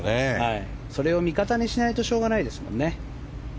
それを味方にしないとしょうがないですよね。